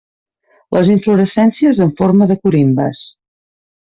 Les inflorescències en forma de corimbes.